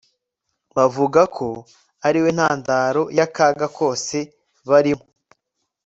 bavuga ko ari we ntandaro yakaga kose barimo